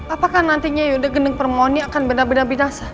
apakah nantinya ini akan berubah